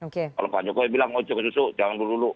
kalau pak jokowi bilang oh joko jusuk jangan dulu dulu